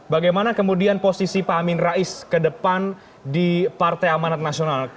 bagaimana kemudian posisi pak amin rais ke depan di partai amanat nasional